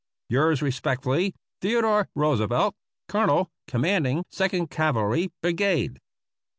Yours respectfully, Theodore Roosevelt, Colonel Commanding Second Cavalry Brigade.